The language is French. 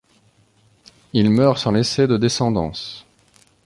Il meurt sans laisser de descendance.